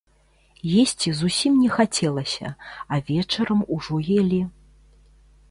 Есці зусім не хацелася, а вечарам ужо елі.